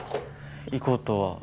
行こうとは。